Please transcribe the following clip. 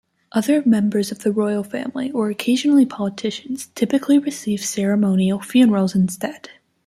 Other members of the royal family, or occasionally politicians, typically receive ceremonial funerals instead.